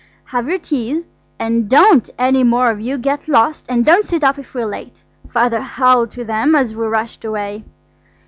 "Have your teas; and don't any more of you get lost, and don't sit up if we're late," Father howled to them as we rushed away.